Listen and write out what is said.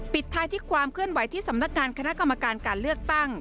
ปิดท้ายที่ความเคลื่อนไหวที่สำนักงานคณะกรรมการการเลือกตั้ง